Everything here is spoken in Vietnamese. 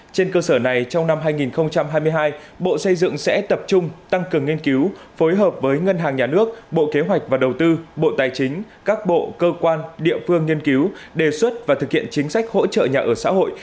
trên cơ sở này trong năm hai nghìn hai mươi hai bộ xây dựng sẽ tập trung tăng cường nghiên cứu phối hợp với ngân hàng nhà nước bộ kế hoạch và đầu tư bộ tài chính các bộ cơ quan địa phương nghiên cứu đề xuất và thực hiện chính sách hỗ trợ nhà ở xã hội